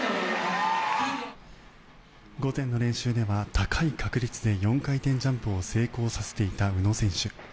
午前の練習では高い確率で４回転ジャンプを成功させていた宇野選手。